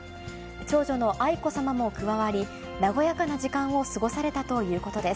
長女の愛子さまも加わり、和やかな時間を過ごされたということです。